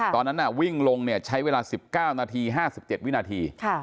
ตอนนั้นวิ่งลงใช้เวลา๑๙นาที๕๗วินาที